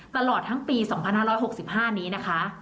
ตลอดทั้งปี๒๕๖๕นี้นะคะ